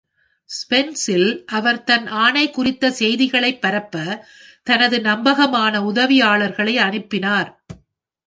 ஃபெஸ்ஸில் அவர் தன் ஆணை குறித்த செய்திகளைப் பரப்ப தனது நம்பகமான உதவியாளர்களை அனுப்பினார்.